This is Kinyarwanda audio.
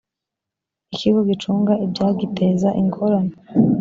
ikigo gicunga ibyagiteza ingorane .